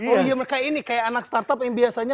oh iya mereka ini kayak anak startup yang biasanya